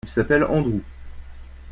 Il s'appelle Andrew.